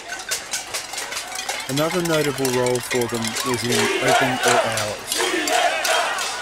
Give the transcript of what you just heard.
Another notable role for them was in "Open All Hours".